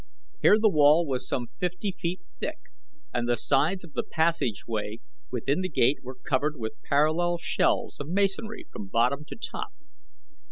Here the wall was some fifty feet thick, and the sides of the passageway within the gate were covered with parallel shelves of masonry from bottom to top.